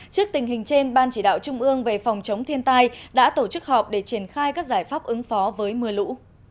trước tình hình trên ban chỉ đạo trung ương về phòng chống thiên tai đã tổ chức họp để triển khai các giải pháp ứng phó với mưa lũ